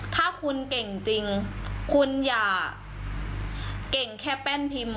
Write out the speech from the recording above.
ถ้าคุณเก่งจริงคุณอย่าเก่งแค่แป้นพิมพ์